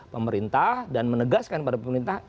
pemerintah dan menegaskan pada pemerintah